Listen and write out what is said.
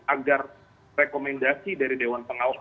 agar rekomendasi dari dewan pengawas